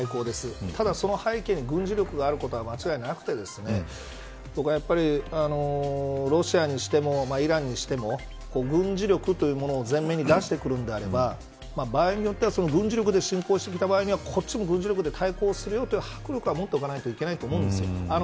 ですが、その背景に軍事力があることは間違いなくて僕は、やっぱりロシアにしてもイランにしても軍事力というものを前面に出してくるのであれば場合によっては軍事力で侵攻してきた場合にはこっちも軍事力で対抗するという迫力はもっておかないといけないと思います。